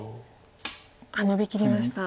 ノビきりました。